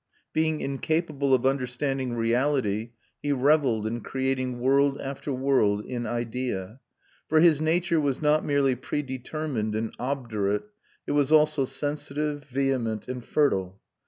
Being incapable of understanding reality, he revelled in creating world after world in idea. For his nature was not merely predetermined and obdurate, it was also sensitive, vehement, and fertile.